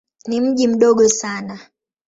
Ni mji mdogo sana.